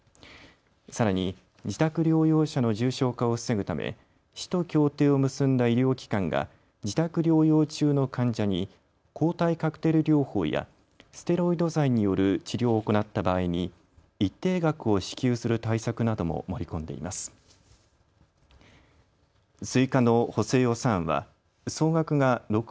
さらに自宅療養者の重症化を防ぐため市と協定を結んだ医療機関が自宅療養中の患者に抗体カクテル療法やステロイド剤による治療を行った場合に一定額を支給する対策なども盛り込んでいます。